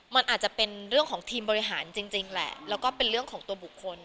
มันอาจจะเป็นเรื่องของทีมบริหารจริงแหละแล้วก็เป็นเรื่องของตัวบุคคล